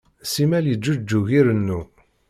Simal yeǧǧuǧug irennu.